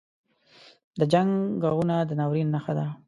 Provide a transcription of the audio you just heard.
• د جنګ ږغونه د ناورین نښه ده.